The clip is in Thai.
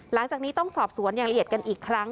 หลังจากนี้ต้องสอบสวนอย่างละเอียดกันอีกครั้ง